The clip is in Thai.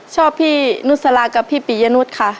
ชอบพี่นุสลากับพี่ปียนุษย์ค่ะ